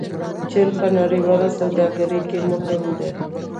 چین په نړیواله سوداګرۍ کې مهم دی.